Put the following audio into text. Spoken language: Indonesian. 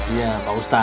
iya pak ustadz